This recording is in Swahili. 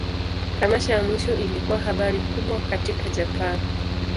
Tamasha ya mwisho ilikuwa habari kubwa katika Japan.